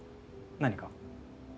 何か？